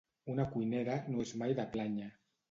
Una cuinera no és mai de plànyer.